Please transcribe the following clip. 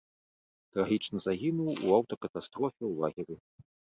Трагічна загінуў у аўтакатастрофе ў лагеры.